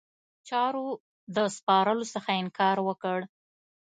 چارو د سپارلو څخه انکار وکړ.